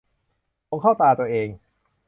ผงเข้าตาตัวเอง